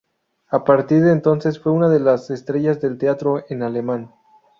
A partir de entonces fue una de las estrellas del teatro en alemán.